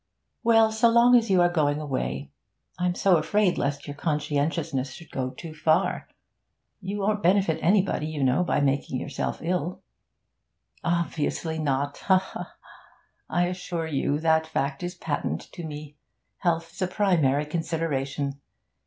'Well, so long as you are going away. I'm so afraid lest your conscientiousness should go too far. You won't benefit anybody, you know, by making yourself ill.' 'Obviously not! Ha, ha! I assure you that fact is patent to me. Health is a primary consideration.